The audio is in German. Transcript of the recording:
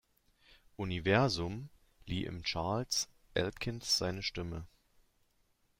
Universum" lieh im Charles Elkins seine Stimme.